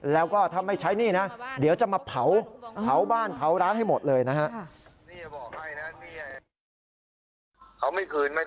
แล้วก็ถ้าไม่ใช้หนี้นะเดี๋ยวจะมาเผาบ้านเผาร้านให้หมดเลยนะฮะ